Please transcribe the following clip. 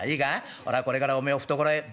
俺はこれからおめえを懐へ場所行くぜ。